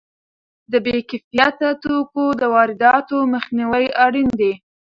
د بې کیفیته توکو د وارداتو مخنیوی اړین دی.